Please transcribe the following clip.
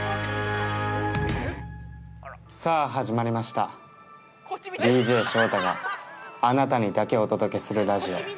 ◆さあ、始まりましたＤＪショウタがあなたにだけお届けするラジオ。